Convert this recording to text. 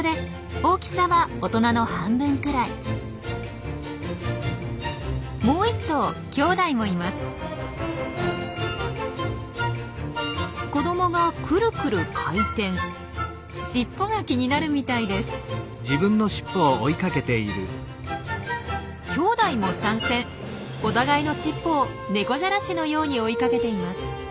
お互いのしっぽを猫じゃらしのように追いかけています。